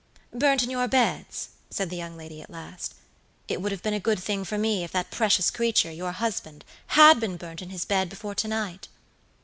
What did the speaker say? "Burnt in your beds," said the young lady, at last. "It would have been a good thing for me if that precious creature, your husband, had been burnt in his bed before to night."